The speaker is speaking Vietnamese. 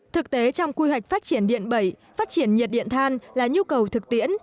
thực tế trong quy hoạch phát triển điện bảy phát triển nhiệt điện than là nhu cầu thực tiễn